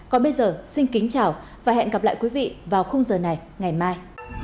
còn bây giờ xin kính chào và hẹn gặp lại quý vị vào khung giờ này ngày mai